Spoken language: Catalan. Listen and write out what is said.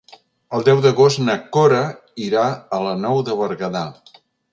El deu d'agost na Cora irà a la Nou de Berguedà.